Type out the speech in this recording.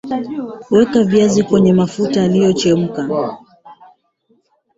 Weka viazi kwenye mafuta yaliyochemka